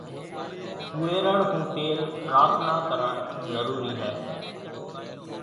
هوئيرڻ هون پيل پرٿنا ڪرڻ ضرُورِي هيَ۔